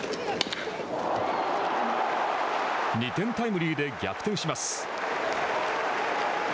２点タイムリーで逆転します。